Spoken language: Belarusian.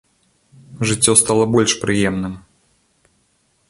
Жыццё стала больш прыемным.